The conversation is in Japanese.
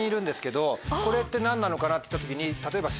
「これって何なのかな？」っていった時に例えば。